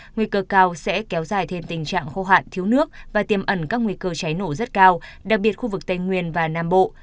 nguy cơ cao sẽ kéo dài thêm tình trạng khô hạn thiếu nước và tiềm ẩn các nguy cơ cháy nổ rất cao đặc biệt khu vực tây nguyên và nam bộ